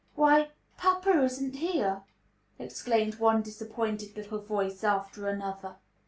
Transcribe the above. "Why, papa isn't here!" exclaimed one disappointed little voice after another.